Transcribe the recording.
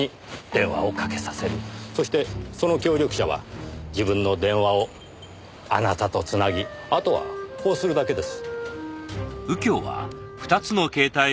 そしてその協力者は自分の電話をあなたと繋ぎあとはこうするだけです。